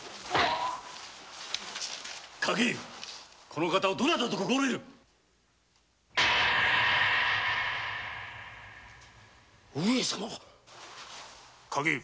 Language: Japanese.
この方をどなたと心得る上様中川！